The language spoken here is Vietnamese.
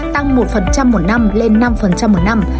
tăng một một năm lên năm một năm